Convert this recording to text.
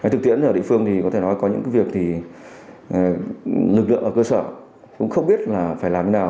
thực tiễn ở địa phương thì có thể nói có những việc thì lực lượng ở cơ sở cũng không biết là phải làm như nào